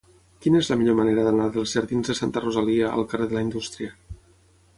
Quina és la millor manera d'anar dels jardins de Santa Rosalia al carrer de la Indústria?